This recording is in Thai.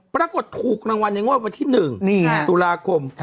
ปรากฏถูกรางวัลในงวดวันที่๑ตุลาคม